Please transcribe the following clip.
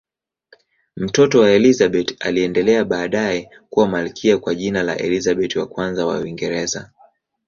Mtoto wake Elizabeth aliendelea baadaye kuwa malkia kwa jina la Elizabeth I wa Uingereza.